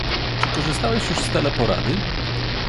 Czy korzystałeś już z teleporady?